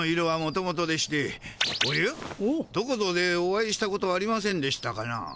おやっどこぞでお会いしたことありませんでしたかな？